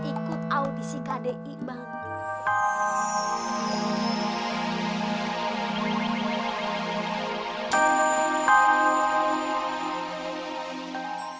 ikut audisi kdi bang